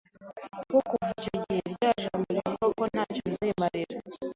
kuko kuva icyo gihe rya jambo rivuga ko nta cyo nzimarira